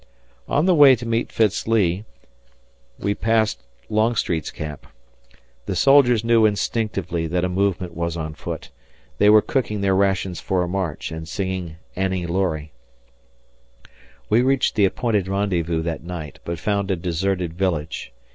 On the way to meet Fitz Lee, we passed Longstreet's camp. The soldiers knew instinctively that a movement was on foot; they were cooking their rations for a march and singing "AnnieLaurie." We reached the appointed rendezvous that night but found a deserted village.